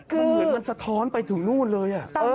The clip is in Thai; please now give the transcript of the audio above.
มันเหมือนมันสะท้อนไปถึงนู่นเลย